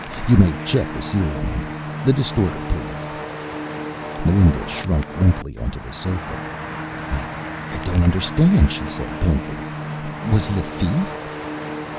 "You may check the serial number. The distorter, please." Melinda shrunk limply onto the sofa. "I don't understand," she said painfully. "Was he a thief?"